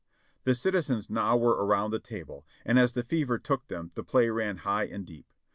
The citizens now were around the table, and as the fever took them the play ran high and deep.